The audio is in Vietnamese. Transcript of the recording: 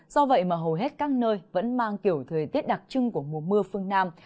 do vậy mà hầu hết các nơi vẫn mang kiểu thời tiết đặc trưng của mùa mưa phương nam